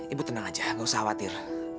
ibu tenang saja enggak usah khawatir